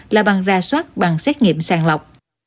là bằng rà soát bằng xét nghiệm sàng lọc